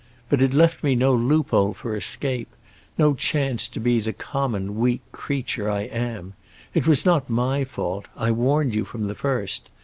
But it left me no loophole for escape—no chance to be the common, weak creature I am. It was not my fault; I warned you from the first.